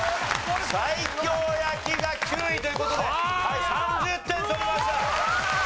西京焼きが９位という事で３０点取りました。